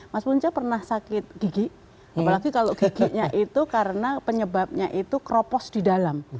mas punca pernah sakit gigi apalagi kalau giginya itu karena penyebabnya itu kropos di dalam